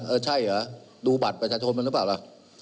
เออใช่เหรอดูบัตรประชาชนรึเปล่า